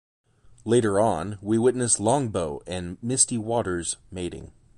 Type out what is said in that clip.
Later on, we witness Longbow and Misty-Water's mating.